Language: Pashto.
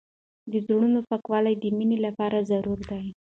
د زړونو پاکوالی د مینې لپاره ضروري دی.